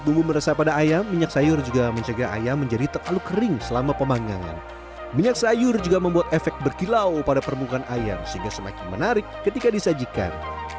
lebih menarik pada ayam minyak sayur juga mencegah ayam menjadi terlalu kering selama pemanggangan minyak sayur juga membuat efek berkilau pada permukaan ayam sehingga semakin menarik ketika disajikan